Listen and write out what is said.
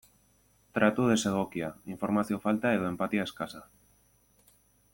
Tratu desegokia, informazio falta edo enpatia eskasa.